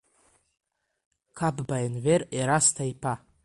Қапба Енвер Ерасҭа-иԥа…